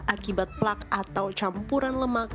akibat plak atau campuran lemak